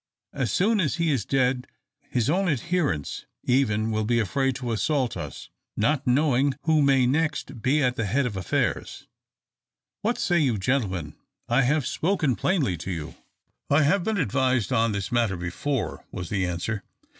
As soon as he is dead his own adherents even will be afraid to assault us, not knowing who may next be at the head of affairs, What say you, gentlemen? I have spoken plainly to you." "I have been advised on this matter before," was the answer.